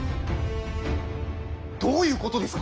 どういうことですか？